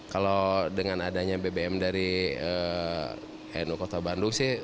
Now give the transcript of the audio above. kalau dengan adanya bbm dari nu kota bandung sih